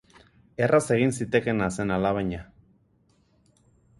Erraz egin zitekeena zen alabaina.